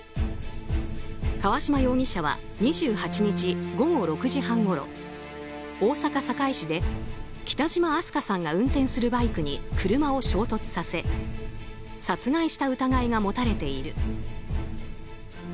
川島容疑者は２８日午後６時半ごろ大阪・堺市で北島明日翔さんが運転するバイクに車を衝突させ殺害した疑いが持たれている。